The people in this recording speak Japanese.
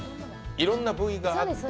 いろいろな部位があって。